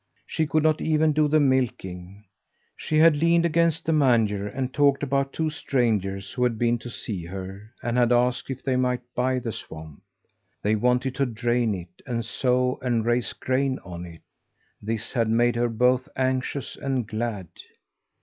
She could not even do the milking. She had leaned against the manger and talked about two strangers who had been to see her, and had asked if they might buy the swamp. They wanted to drain it, and sow and raise grain on it. This had made her both anxious and glad.